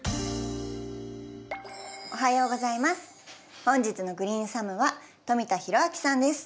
おはようございます。